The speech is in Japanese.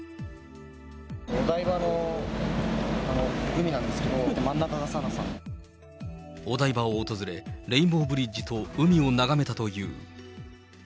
お台場の海なんですけど、お台場を訪れ、レインボーブリッジと海を眺めたという。